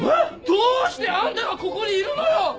どうしてあんたがここにいるのよ！？